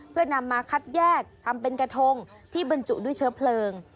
เพื่อนำมาคัดแยกทำเป็นกระทงที่บรรจุด้วยเชื้อเพลิง